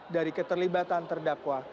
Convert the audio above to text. dari keterlibatan terdakwa